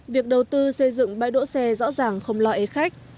việc đầu tư xây dựng bãi đỗ xe rõ ràng không lo ế khách